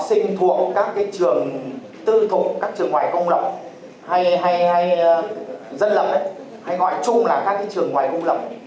kinh thuộc các trường tư thục các trường ngoài công lập hay dân lập hay ngoại trung là các trường ngoài công lập